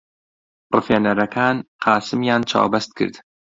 ڕفێنەرەکان قاسمیان چاوبەست کرد.